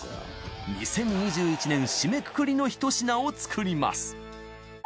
２０２１年締めくくりの１品を作ります